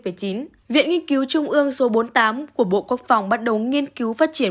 viện nghiên cứu trung ương số bốn mươi tám của bộ quốc phòng bắt đầu nghiên cứu phát triển